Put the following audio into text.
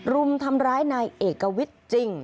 รุมทำร้ายนายเอกวิทย์จริง